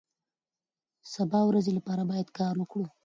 د سبا ورځې لپاره باید کار وکړو.